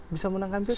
bisa menangkan pilkada